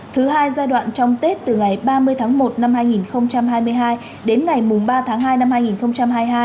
thứ hai giai đoạn trong tết từ ngày ba mươi tháng một năm hai nghìn hai mươi hai đến ngày ba tháng hai năm hai nghìn hai mươi hai